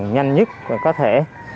nhanh nhất có thể